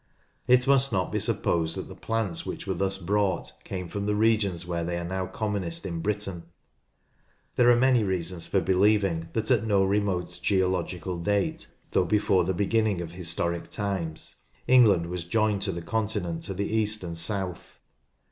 It must not be supposed that the plants which were thus brought came from the regions where they are now commonest in Britain. There are many reasons for believing that at no remote geological date, though before the beginning of historic times, England was joined to the Continent to the east and south.